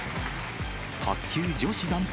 卓球女子団体